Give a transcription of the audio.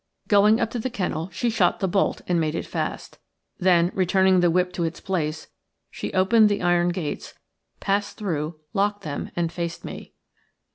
Going up to the kennel she shot the bolt and made it fast. Then, returning the whip to its place, she opened the iron gates, passed through, locked them, and faced me.